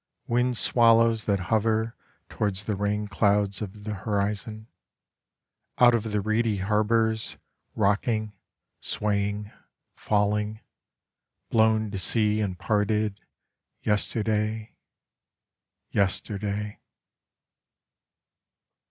Windswallows that hover Towards the rainclouds of the horizon, Out of the reedy harbours Rocking, swaying, falling, Blown to sea and parted Yesterday, Yesterday.